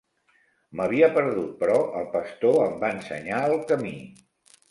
M'havia perdut, però el pastor em va ensenyar el camí.